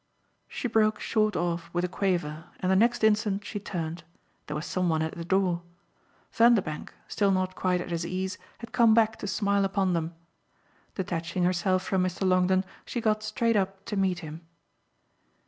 She broke short off with a quaver and the next instant she turned there was some one at the door. Vanderbank, still not quite at his ease, had come back to smile upon them. Detaching herself from Mr. Longdon she got straight up to meet him.